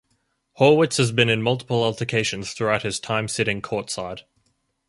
Horwitz has been in multiple altercations throughout his time sitting courtside.